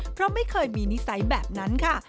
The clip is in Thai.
เพราะไม่เคยมีนิสัยแบบนั้นค่ะ